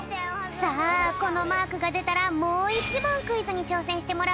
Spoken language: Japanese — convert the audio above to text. さあこのマークがでたらもう１もんクイズにちょうせんしてもらうぴょん。